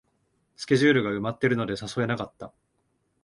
スケジュールが埋まってるので誘えなかった